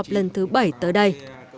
lần thứ bảy tới đây